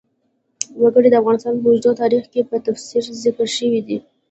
وګړي د افغانستان په اوږده تاریخ کې په تفصیل ذکر شوی دی.